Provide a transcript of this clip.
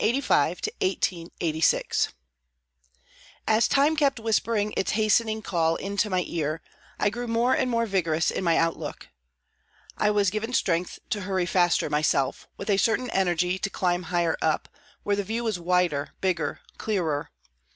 THE NINTH MILESTONE 1885 1886 As time kept whispering its hastening call into my ear I grew more and more vigorous in my outlook. I was given strength to hurry faster myself, with a certain energy to climb higher up, where the view was wider, bigger, clearer.